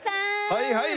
はいはい。